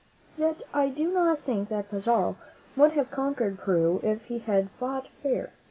Yet I do not think that Pizarro would have conquered Peru if he had fought fair.